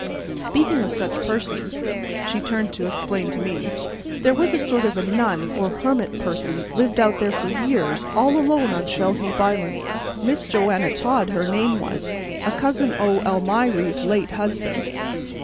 Speaking of such persons," she turned to explain to me, "there was a sort of a nun or hermit person lived out there for years all alone on Shell heap Island. Miss Joanna Todd, her name was, a cousin o' Almiry's late husband."